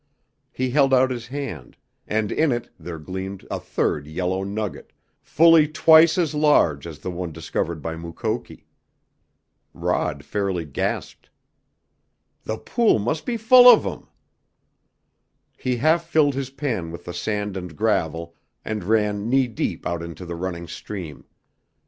He held out his hand, and in it there gleamed a third yellow nugget, fully twice as large as the one discovered by Mukoki! Rod fairly gasped. "The pool must be full of 'em!" He half filled his pan with the sand and gravel and ran knee deep out into the running stream.